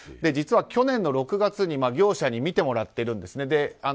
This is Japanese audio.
実は去年の６月に業者に見てもらっているんですね。